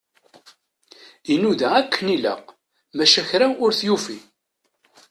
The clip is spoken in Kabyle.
Inuda akken i ilaq, maca kra ur t-yufi.